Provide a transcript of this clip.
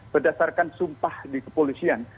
berdasarkan sumpah di kepolisian